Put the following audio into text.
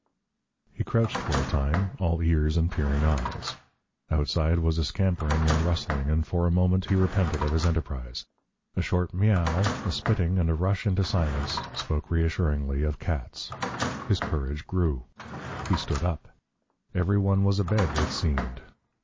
He crouched for a time, all ears and peering eyes. Outside was a scampering and rustling, and for a moment he repented of his enterprise. A short "miaow," a spitting, and a rush into silence, spoke reassuringly of cats. His courage grew. He stood up. Every one was abed, it seemed.